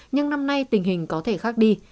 nhưng năm nay tình hình có thể khác đi